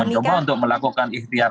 mencoba untuk melakukan ikhtiar